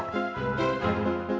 bunga bella sungkawa